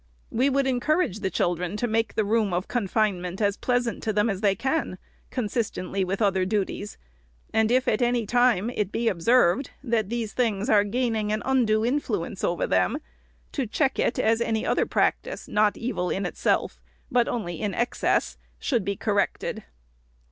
We would encourage the children to make the room of confinement as pleasant to them as they can, ON SCHOOLHOUSES. 485 consistently with other duties ; and if at any time it be observed, that these things are gaining an undue influ ence over them, to check it, as any other practice not evil in itself, but only in excess, should be corrected.